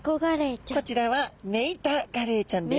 こちらはメイタガレイちゃんです。